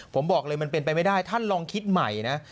ผมบอกเลยมันเป็นไปไม่ได้ท่านลองคิดใหม่นะ